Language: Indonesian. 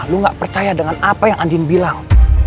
lu gak percaya dengan apa yang andin bilang